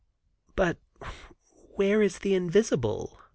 "But where is the invisible?"